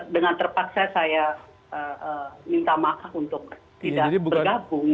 dengan terpaksa saya minta maaf untuk tidak bergabung